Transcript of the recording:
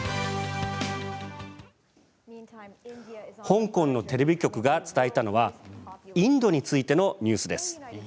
香港のテレビ局が伝えたのはインドについてのニュースです。